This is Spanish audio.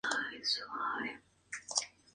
El resto de la familia vuelve a Alemania.